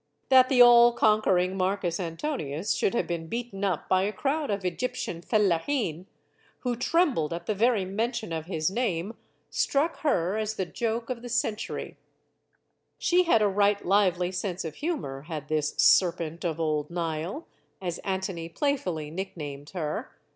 That the all conquering Marcus Antonius should have been beaten up by a crowd of Egyptian fellaheen, who trembled 148 STORIES OF THE SUPER WOMEN at the very mention of his name, struck her as the joke of the century. She had a right lively sense of humor, had this "Serpent of Old Nile," as Antony playfully nicknamed her.